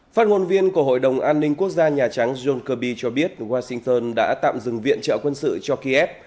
phát ngôn viên của hội đồng an ninh quốc gia nhà trắng john kirby cho biết washington đã tạm dừng viện trợ quân sự cho kiev